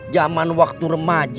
zaman waktu remaja